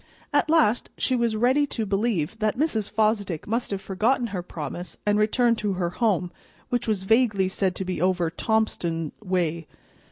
At last she was ready to believe that Mrs. Fosdick must have forgotten her promise and returned to her home, which was vaguely said to be over Thomaston way.